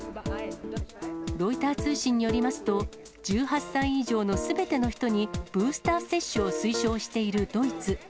ロイター通信によりますと、１８歳以上のすべての人に、ブースター接種を推奨しているドイツ。